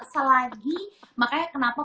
selagi makanya kenapa